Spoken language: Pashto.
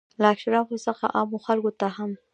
له اشرافو څخه عامو خلکو ته هم.